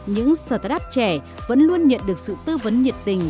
những start up trẻ vẫn luôn nhận được sự tư vấn nhiệt tình